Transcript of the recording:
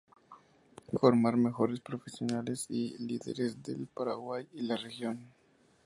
Formar mejores profesionales y líderes del Paraguay y la región.